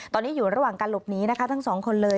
ตอนนี้อยู่ระหว่างการหลบหนีนะคะทั้งสองคนเลย